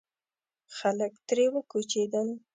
خلک ترې وکوچېدل.